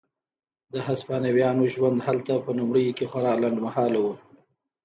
د هسپانویانو ژوند هلته په لومړیو کې خورا لنډ مهاله و.